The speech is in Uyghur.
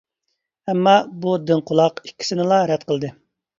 ئەمما، بۇ دىڭ قۇلاق ئىككىسىنىلا رەت قىلدى.